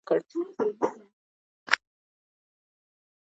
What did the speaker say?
پاکستان صرف د یو اجیر غلام په توګه رول ترسره کړ.